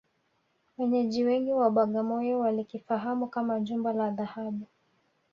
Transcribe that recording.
Wenyeji wengi wa Bagamoyo wakilifahamu kama Jumba la Dhahabu